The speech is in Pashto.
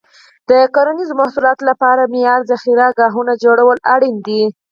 د کرنیزو محصولاتو لپاره معیاري ذخیره ګاهونه جوړول اړین دي.